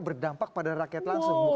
berdampak pada rakyat langsung